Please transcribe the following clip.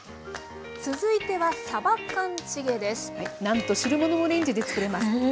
続いてはなんと汁物もレンジで作れます。